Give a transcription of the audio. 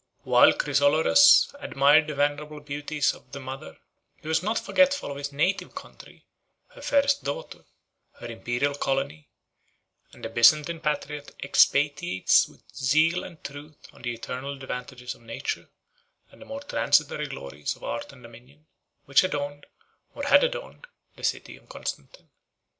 While Chrysoloras admired the venerable beauties of the mother, he was not forgetful of his native country, her fairest daughter, her Imperial colony; and the Byzantine patriot expatiates with zeal and truth on the eternal advantages of nature, and the more transitory glories of art and dominion, which adorned, or had adorned, the city of Constantine.